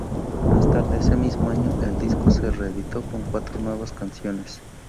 Más tarde, ese mismo año, el disco se reeditó con cuatro nuevas canciones.